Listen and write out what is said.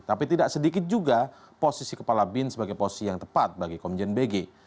tapi tidak sedikit juga posisi kepala bin sebagai posisi yang tepat bagi komjen bg